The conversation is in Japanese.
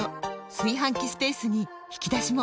炊飯器スペースに引き出しも！